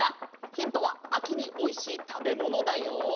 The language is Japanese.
ヒントはあきにおいしいたべものだよ。